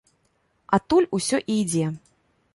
Адтуль усё і ідзе.